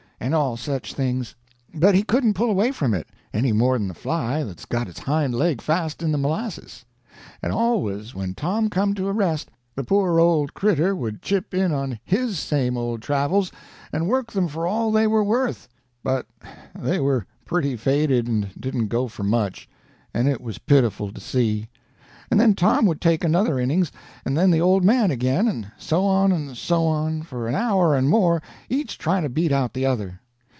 and all such things; but he couldn't pull away from it, any more than a fly that's got its hind leg fast in the molasses. And always when Tom come to a rest, the poor old cretur would chip in on his same old travels and work them for all they were worth; but they were pretty faded, and didn't go for much, and it was pitiful to see. And then Tom would take another innings, and then the old man again—and so on, and so on, for an hour and more, each trying to beat out the other.